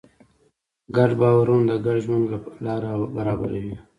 ګډ باورونه د ګډ ژوند لاره برابروي.